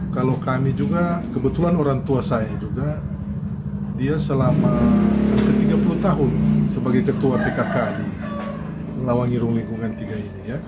kalau kami juga kebetulan orang tua saya juga dia selama hampir tiga puluh tahun sebagai ketua pkk di lawangirung lingkungan tiga ini